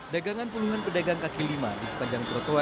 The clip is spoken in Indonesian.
dagangan puluhan pedagang kaki lima di sepanjang trotoar